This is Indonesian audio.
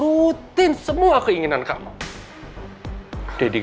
gue udah kayak nektirin tahu gak